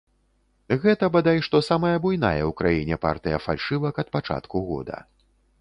Гэта бадай што самая буйная ў краіне партыя фальшывак ад пачатку года.